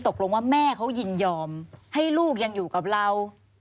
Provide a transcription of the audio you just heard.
ตกลงว่าแม่เขายินยอมให้ลูกยังอยู่กับเรา